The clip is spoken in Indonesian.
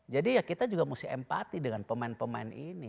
jadi ya kita juga mesti empati dengan pemain pemain ini